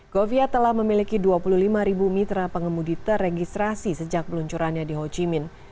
govia telah memiliki dua puluh lima ribu mitra pengemudi teregistrasi sejak peluncurannya di ho chi minh